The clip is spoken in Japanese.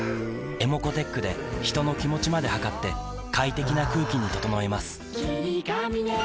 ｅｍｏｃｏーｔｅｃｈで人の気持ちまで測って快適な空気に整えます